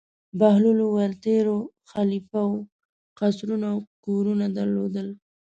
بهلول وویل: تېرو خلیفه وو قصرونه او کورونه درلودل.